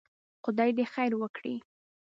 خدای دې خير وکړي.